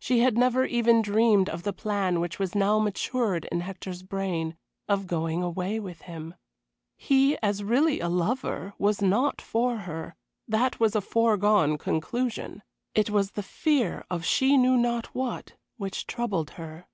She had never even dreamed of the plan which was now matured in Hector's brain of going away with him. He, as really a lover, was not for her, that was a foregone conclusion. It was the fear of she knew not what which troubled her.